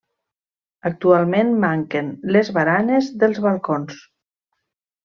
Actualment manquen les baranes dels balcons.